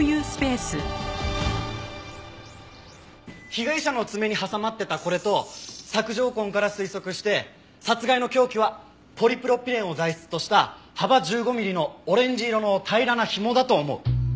被害者の爪に挟まってたこれと索条痕から推測して殺害の凶器はポリプロピレンを材質とした幅１５ミリのオレンジ色の平らな紐だと思う。